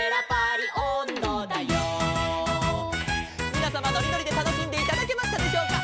「みなさまのりのりでたのしんでいただけましたでしょうか」